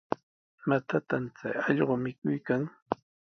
¿Imatataq chay allqu mikuykan?